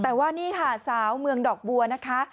แต่ว่านี่ค่ะสาวเมืองดอกบัวนะคะ